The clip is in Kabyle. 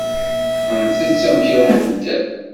Ntett amek ara nedder.